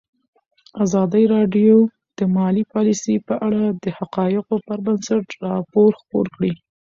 ازادي راډیو د مالي پالیسي په اړه د حقایقو پر بنسټ راپور خپور کړی.